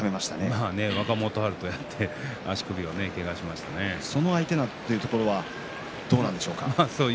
まあね、若元春とやってその相手というところはどうなんでしょうか。